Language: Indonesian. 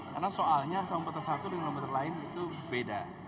karena soalnya sempat satu dengan komputer lain itu beda